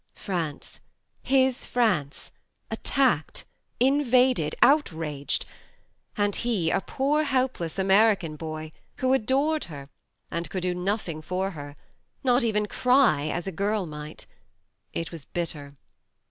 France, his France, attacked, in vaded, outraged ; and he, a poor help less American boy, who adored her, and could do nothing for her not even cry, as a girl might ! It was bitter.